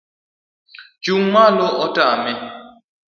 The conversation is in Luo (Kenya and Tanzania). Chung' malo otame